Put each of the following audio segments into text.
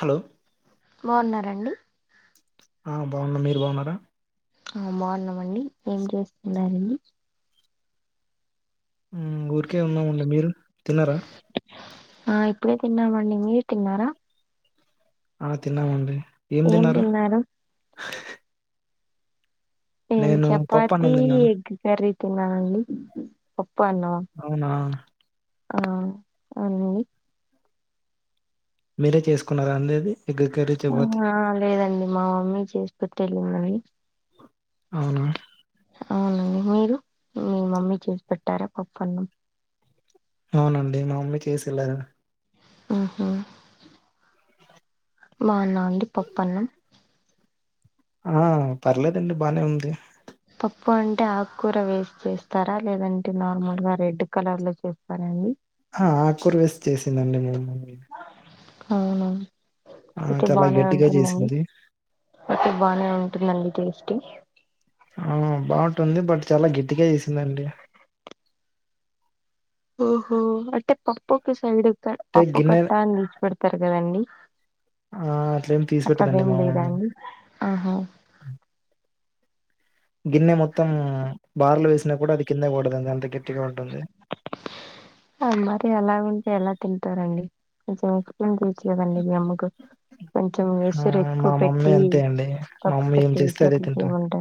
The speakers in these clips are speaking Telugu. హలో బావున్నార అండి ఆ బావున్నా మీరు బావున్నారా ఆ బావున్నం అండి ఏం చేస్తున్నారండి మ్మ్ ఊరికే ఉన్నామండి మీరు తిన్నరా ఆ ఇప్పుడే తిన్నామండి మీరు తిన్నారా ఆ తిన్నామండి ఏం తిన్నారు నేను పప్పు చపాతి అన్నం తిన్నాను ఎగ్గు కర్రీ తిన్నానండి పప్పు అన్నమ అవునా ఆ అవునండి మీరే చేసుకున్నార అండి అది ఎగ్గు కర్రీ చపాతి ఆహా లేదండి మా మమ్మీ చేసిపెట్టి వెళ్ళిందండి అవునా అవునండి మీరు మీ మమ్మీ చేసి పెట్టారా పప్పు అన్నం అవునండి మా మమ్మీ చేసి వెళ్లారు మ్మ్ హు బాగుందా అండి పప్పన్నం ఆ పర్లేదండి బానే ఉంది పప్పు అంటే ఆకుకూర వేసి చేస్తారా లేదంటే నార్మల్ గా రెడ్ కలర్ లో చేస్తార అండి ఆ ఆకూర వేసి చేసిందండి మా అమ్మ గాని అవును ఆ అయితే చాలా బానే గట్టిగా ఉంటుందండి చేసింది అంటే బానే ఉంటుందండి టేస్ట్ ఆ బాగుంటుంది బట్ చాలా గట్టిగా చేసిందండి ఓహో అంటే పప్పు ఒక సైడ్ అంటే పప్పు గిన్నె కట్టా అని తీచి పెడతారు కదండి ఆ అట్లేమి తీసి పెట్టదండి అట్లాగేం మా లేదా మమ్మీ అండి ఆహా గిన్నె మొత్తం బార్లు వేసినా కూడా అది కిందకి పడదండి అంత గట్టిగా ఉంటుంది ఆ మరి అలాగ ఉంటే ఎలా తింటారండి కొంచెం హెల్ప్ చెయ్యచ్చు కదండి మీ అమ్మకు కొంచెం ఆ వెసురు ఎక్కువ మా మమ్మీ పెట్టి అంతే అండి మా కప్పు మమ్మీ ఏం కట్టి చేస్తే అదే అట్ల తింటాం చేయమంటే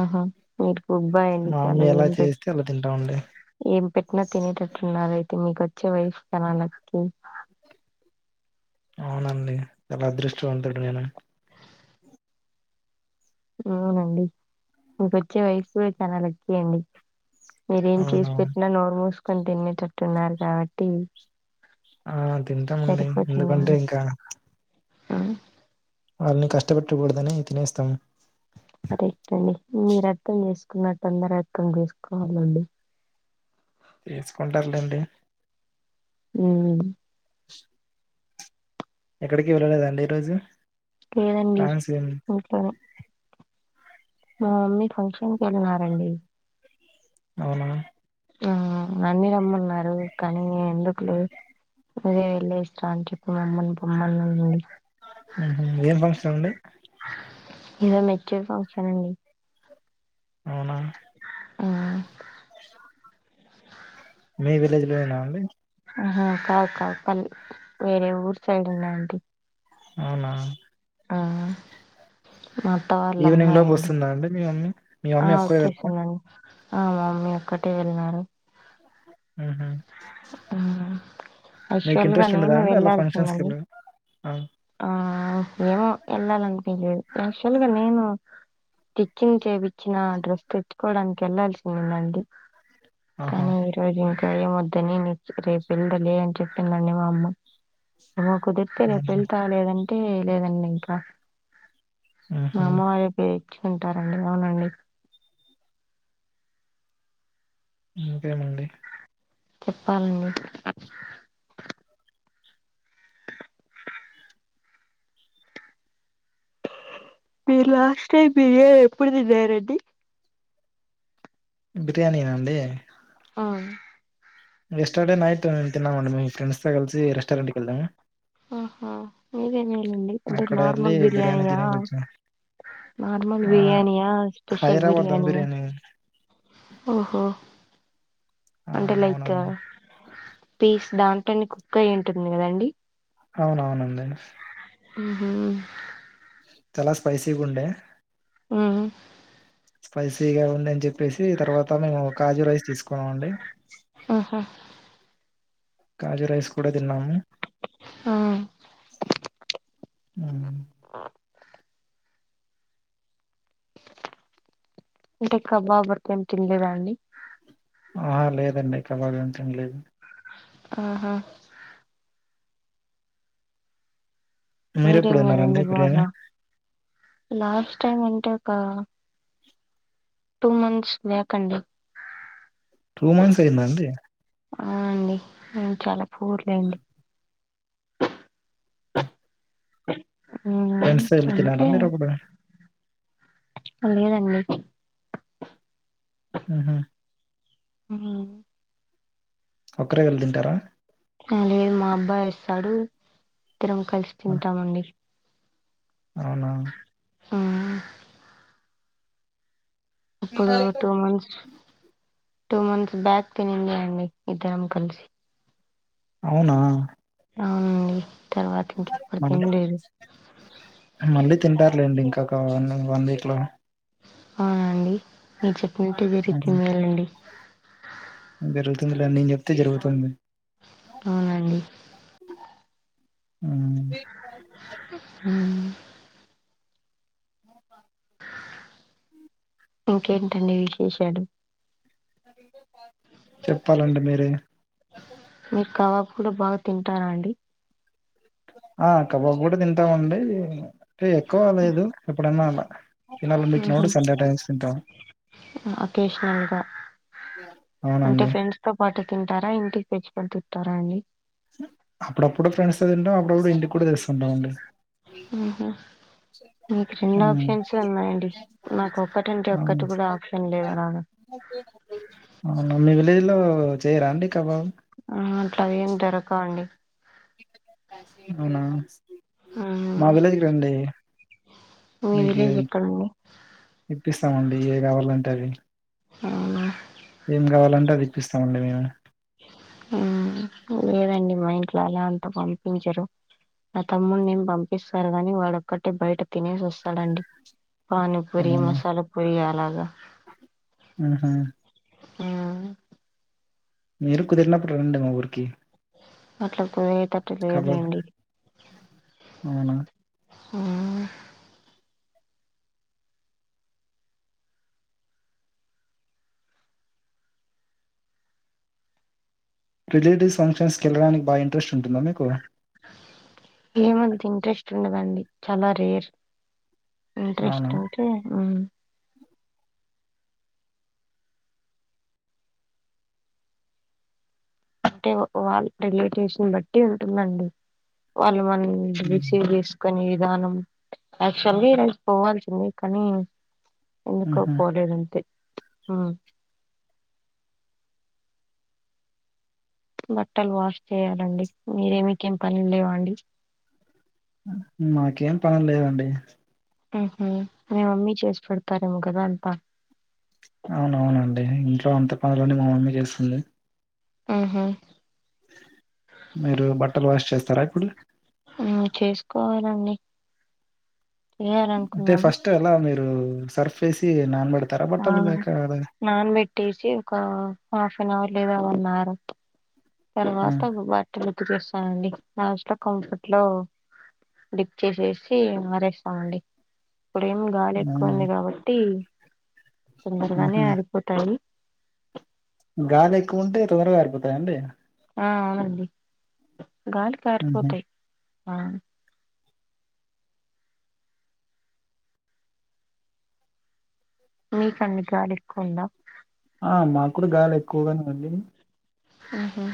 ఆహా మీకు మా మమ్మీ [inaudible] ఎలా ఏం పెట్ చేస్తే అలా తింటామండి ఏం పెట్టిన తినేటట్టున్నారు అయితే మీకు వచ్చే వైఫ్ చాలా లక్కీ నీకు అవునండి చాలా అదృష్టవంతుడిని నేను అవునండి మీకు వచ్చే వైఫ్ కూడా చాలా లక్కే అండి మీరేం చేసి అవునవును పెట్టినా నోరు మూసుకొని తినేటట్టున్నారు కాబట్టి ఆ తింటామండి ఎందుకంటే సరిపోతుందండి ఇంకా ఆ వాళ్ళని కష్టపెట్టకూడదని తినేస్తాం కరెక్ట్ అండి మీరు అర్థం చేసుకున్నట్టు అందరు అర్థం చేసుకోవాలండి చేసుకుంటారులేండి మ్మ్ చ్ ఎక్కడికి వెళ్ళలేదండి ఈ రోజు లేదండి ప్లాన్స్ ఏం ఉంటను మా మమ్మీ ఫంక్షన్ వెళ్ళినారండి అవునా ఆ నన్ను రమ్మన్నారు కానీ ఎందుకు లే అదే వెళ్ళే ఇస్తా అని చెప్పి మమ్మని బొమ్మన్న నుండి హు హు ఏం ఫంక్షన్ అండి ఏదో మెచ్యూర్ ఫంక్షన్ అండి అవునా ఆ మీ విలేజ్ లోనా అండి హా కావు కావు పల్ వేరే ఊరు సైడ్ ఉన్నా అండి అవునా ఉమ్ మా అత్త వాళ్ళ ఈవినింగ్ లోపు అమ్మాయండి వస్తుందా అండి మీ మమ్మీ మీ ఆ మమ్మీ ఒక్కరే వెళ్తారా వచ్చేసింది అండీ ఆ మమ్మీ ఒక్కటే వెళ్ళినరు ఉహు మీకు యాక్చువల్ గా ఇంట్రెస్ట్ ఉండదా నేను అంటడి అలా ఫంక్షన్స్ వెళ్ళాల్సిందండి కెళ్ళడం ఆ ఎల్లాలి అనిపియ్యలేదు ఆయాక్షుల్గా నేను స్టిచ్చింగ్ చేపచ్చిన డ్రెస్ తెచ్చుకోవడానికి వెళ్లాల్సింద ఉందండి ఆహా కానీ ఈరోజు ఇంకా మ ని రేపు వెళ్దలే అని చెప్పిందండి మా అమ్మ ఉ కుదిరితే రేపు అవునా వెళ్తా లేదంటే లేదండి ఇంకా మా ఆహా! అమ్మవారి వేర్చుకుంటారండి అవునండి ఇంకేమండి చెప్పాలండి మీరు లాస్ట్ టైమ్ బిర్యాని ఎప్పుడు తిన్నారండి బిర్యానీనాండి ఆవునూ స్టర్డే నైట్ము తన్నామండి మీ ఫ్రెండ్స్తో కలిసి రెస్టారెంట్కి వెళ్దాము ఆహా ఇవేనేలండి అంటే అక్కడ ఎళ్లి నార్మల్ బిర్యానీ బిర్యాని తినేసొచ్చాం. నార్మల్ ఆహ్, బిర్యానియా స్పెషల్ హైదరాబాద్ దమ్ బిరియాని బిర్యానీ. ఓహో ఆ! అంటే లైక్ అవునండి. పీస్ దాంట్లోని కుక్ అయ ఉంటుంది కదండి అవునవునడీ ఉహు చాలా స్పైసీగా ఉండే ఆ స్పైసీ గా ఉంది అని చెప్పేసి తర్వాత మేము కాజు రైస్ తీసుకున్నాం అండి ఆహా కాజు రైస్ కూడా తిన్నాము ఆ ఉమ్ ఆ అంటే కబాబ్ ఏం తినలేదా అండి ఆహా లేదండి కబాబ్ ఏం తిన్నాలేదు ఆహా మీరే మీరెప్పుడు మేల్ తిన్నారండి అండి బిర్యానీ? బాగా లాస్ట్ టైమ్ అంటే ఒక టూ మంత్స్ లే కండి టూ మంత్స్ అయ్యిందండి ఆ అండి మేము చాలా పూర్ లెండి మీరా ఫ్రెండ్స్‌తో ఎళ్లి తిన్నారా అందుకే మీరప్పుడు? లేదండి ఉహు ఉ ఒకరే వెళ్లి తింటారా లేదు మా అబ్బాయి వస్తాడు ఇద్దరము కలిసి ఆ! తింటాం అండి అవునా ఉ ఇప్పుడు two months two months back తినింది అండి ఇద్దరము కలిసి అవునా ఉ తర్వాత ఇంకెప్పుడు తినలేదు మళ్లీ తింటారు లేండి ఇంకొక వన్ వీక్ లో అవునండి మీరు చెప్పినట్టే జరుగుతుంది లేండి జరుగుతుంది నేను చెప్తే జరుగుతుంది అవునండి అ ఉ ఉ ఉ హ ఇంకేంటండి విశేషాలు అ చెప్పాలండి మీరే మీరు కబాబ్ కూడా బాగా తింటారా అండి ఆ కబాబు కూడా తింటామండి అంటే ఎక్కువ లేదు ఎప్పుడన్నా అలా ఇంకా మ్మ్ గుర్తొచ్చినప్పుడు సండే టైమ్స్ తింటాం అకేషనల్ గా అంటే అవునండి ఫ్రెండ్స్ తో పాటు తింటారా ఇంటికి తెచ్చుకొని తింటారా అండి అప్పుడప్పుడు ఫ్రెండ్స్ తో తింటాం అప్పుడప్పుడు ఇంటికి కూడా తెస్తుంటాడు అండి ఇంకా నీకు రెండు ఆప్షన్స్ ఉన్నాయండి నాకు ఒకటంటే అవును ఒకటి కూడా ఆప్షన్ లేదు అలాగా మీ విలేజ్లో చేరండి కబాబు ఆ అట్లా ఏం దొరకవండి అవునా ఆ మా విలేజ్ రండి మీ మీకి విలేజ్ ఎక్కడండి ఇప్పిస్తామండి ఏమి కావాలంటే అవి అవునా ఏం కావాలంటే అవి ఇప్పిస్తామండి మేము ఉ లేదండి మా ఇంట్లో అలా అంతా పంపించరు నా తమ్ముడి ఏం పంపిస్తారు గాని వాడొక్కటే బయట తిను సస్తాడండి పానీపూరి అవునా మసాలా పూరి అలాగా ఆహా! ఉ మీరు కుదిరినప్పుడు రండి మా ఊరికి అట్లా కుదియేటట్టు కబాబ్ లేదులేండి అవునా! హా రిలేటివ్స్ ఫంక్షన్స్కి వెళ్ళడానికి ఇంట్రస్ట్ ఉంటుందా మీకు ఏమంత ఇంట్రెస్ట్ ఉండదండి చాలా రేర్ అవునా! ఇంట్రెస్ట్ అంటే ఉ అంటే వా రిలేటివ్స్ ని బట్టి ఉంటుందండి వాళ్ళు మనల్ హ్మ్. రిసీవ్ చేసు కొని విధానం యాక్చువల్గా ఈరోజు పోవాల్సింది కానీ ఎందుకో హుహు. పోలేదంతే అ బట్టలు వాష్ చేయ్యాలండి మీరేమి మీకే పనులేవండి మాకేం పనిలేదండి ఉహు మీ మమ్మీ చేసి పెడతారేమో కదా అంతా అవును అవునండి ఇంట్లో అంత పనులన్నీ మా మమ్మీ చేస్తుంది ఆహా మీరు బట్టలు వాష్ చేస్తారా ఇప్పుడు ఆ చేసుకోవాలండి మీరే అనుకున్నారు తా అలా మీరు సర్ఫ్ వేసి నానిబెడ్ ఆ నాన్ పెట్టేసి ఒక హాఫ్ అన్ అవర్ లేదా వన్ అవర్ ఆ! తర్వాత బట్టలు ఉతికేస్తానండి లాస్ట్ లో కంఫర్ట్ లో డిప్ చేసేసి మారేస్తామండి ఇప్పుడేమి గాలి ఎక్కువ అవునా! ఉంది కాబట్టి తొందరగానే ఆహా! ఆరిపోతాయి గాలి ఎక్కువ ఉంటే తొందరగా ఆరిపోతాయండి ఆ అవునండి గాలికి హుహు. ఆరిపోతాయి ఆ మీకండి గాలి ఎక్కువుందా ఆ మాకూడ గాలి ఎక్కువగానే ఉంది ఉహు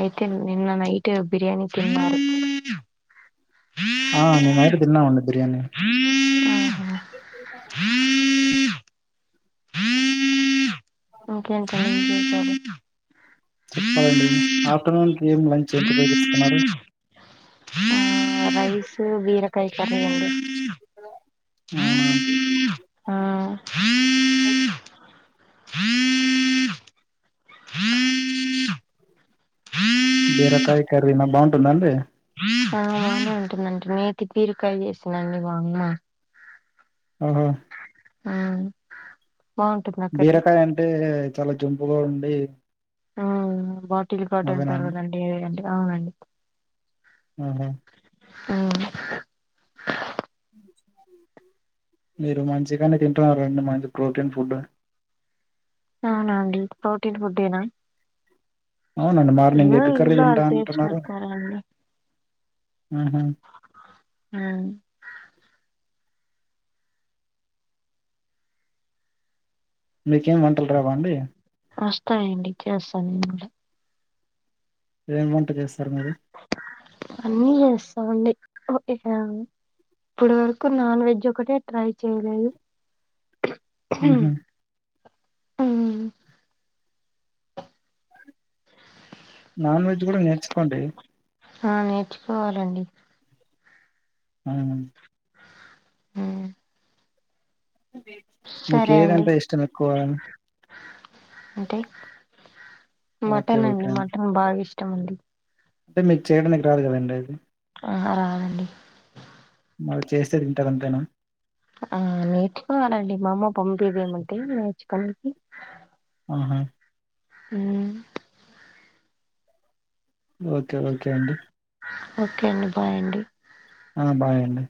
అయితే నిన్న నైట్ బిర్యానీ తిన్నారు ఆ నిన్న నైట్ తిన్నామండి బిర్యానీ ఆ ఒకే [unintelligible] చెప్పాలండి ఆఫ్టర్నూన్ కి ఏం లంచ్ ఏం ప్రిపేర్ చేసుకున్నారు రైస్ బీరకాయ కర్రీ అండి అవునా అండి ఆ ఆ బీరకాయ కర్రీనా బాగుంటుందా అండి బానే ఉంటుందండి నేతి బీరకాయ చేసిందండి మా అమ్మ ఆహా ఆ బా బీరకాయ అంటే చాలా జుంపుగా ఉండి ఆ బాటిల్ గాట్ అవేనా అంటారు అండి కదండి ఏటుగా అండి ఆహా ఆ అ మీరు మంచిగానే తింటున్నారండి మంచి ప్రోటీన్ ఫుడ్ అవునండి ప్రోటీన్ ఫుడ్డేనా అవునండి మార్నింగ్ ఏదో ఎగ్ కర్రీ ఇంట్లో తింటా వాళ్ళు చేసి అంటున్నారు పెడతారండి ఉహు హ్మ మీకేం వంటలు రావ అండి వస్తాయి అండి ఇచ్ చేస్తాను ఎం వంట చేస్తారు మీరు అన్ని చేస్తాం అండి ఉ ఇగ ఇప్పటి వరకు నాన్ వెజ్ ఒకటే ట్రై చేయలేదు ఉహం హ్మ్. నాన్ వెజ్ కూడా నేర్చుకోండి ఆ నేర్చుకోవాలి అండి అవున హ్మ మీకు ఏది అండి అంటే ఇష్టం ఎక్కువ అంటే ఓకే మటన్ ఓకే అండి మటన్ బాగా ఇష్టం అండి అంటే మీకు చేయడానికి ఏం రాదు కదా అండి అవును అండి చేస్తే తింటారు అంతేనా ఆ నేర్చుకోవాలి అండి మా అమ్మ పంపియమంటే నేర్చుకోవడానికి ఆహా హ్మ ఓకే ఓకే అండి ఓకే అండి బాయ్ అండి ఆ బాయ్ అండి